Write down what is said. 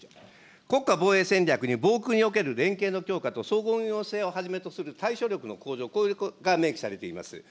国家防衛戦略に防空における連携の強化と総合運用性をはじめとする対処力の向上、これが明記されています。